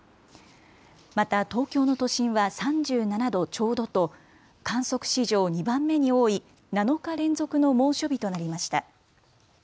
また東京の都心は３７度ちょうどと観測史上２番目に多い７日連続の猛暑日となりました。